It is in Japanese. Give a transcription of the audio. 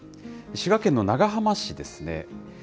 滋賀県の長浜市ですね。